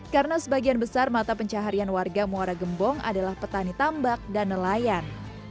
karena sebagian besar mata pencaharian warga muara gembong adalah petani tambak dan nelayan